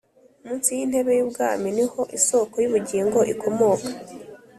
Munsi y’intebe y’ubwami niho isoko y’ubugingo ikomoka